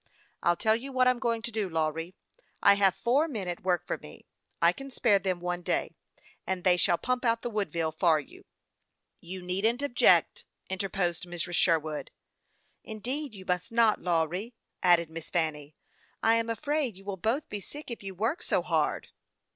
" I'll tell you what I'm going to do, Lawry. I have four men at work for me. I can spare them one day, and they shall pump out the Woodville for you." "You needn't object," interposed Mrs. Sherwood. " Indeed you must not, Lawry," added Miss Fanny. " I am afraid you will both be sick if you work so hard."